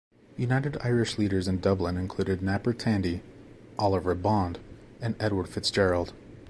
United Irish leaders in Dublin included Napper Tandy, Oliver Bond and Edward Fitzgerald.